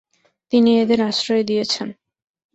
তিনি এঁদের আশ্রয় দিয়েছেন।